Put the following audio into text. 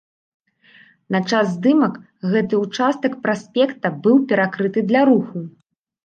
На час здымак гэты ўчастак праспекта быў перакрыты для руху.